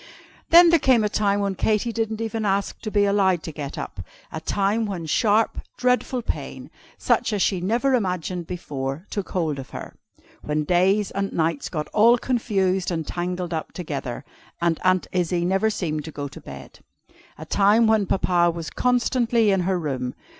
Then there came a time when Katy didn't even ask to be allowed to get up. A time when sharp, dreadful pain, such as she never imagined before, took hold of her. When days and nights got all confused and tangled up together, and Aunt Izzie never seemed to go to bed. A time when Papa was constantly in her room.